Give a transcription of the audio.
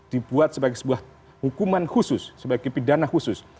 dibuat sebagai sebuah hukuman khusus sebagai pidana khusus